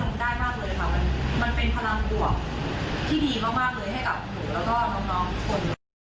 มันน้อยลงได้มากเลยค่ะมันเป็นพลังกล่วงที่ดีมากเลยให้กับหนูและกับน้องคน